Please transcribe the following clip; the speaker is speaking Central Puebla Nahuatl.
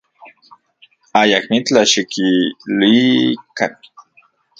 Ayakmitlaj xikiluikan.